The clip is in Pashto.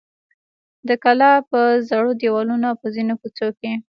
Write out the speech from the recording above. د کلا پر زړو دیوالونو او په ځینو کوڅو کې.